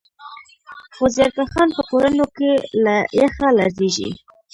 خو زیارکښان په کورونو کې له یخه لړزېږي